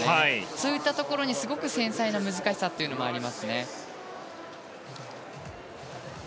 そういったところにすごく繊細な難しさがありますね。